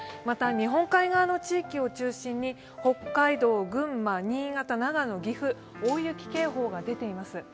また日本海側の地域を中心に北海道、群馬、新潟、長野、岐阜、大雪警報が出ています。